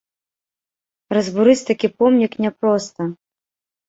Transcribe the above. Разбурыць такі помнік няпроста.